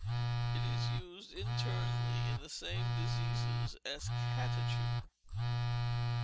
It is used internally in the same diseases as catechu.